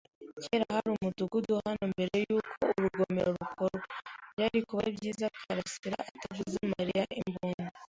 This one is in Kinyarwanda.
Kera hari umudugudu hano mbere yuko urugomero rukorwa. Byari kuba byiza Karasiraataguze Mariya imbunda.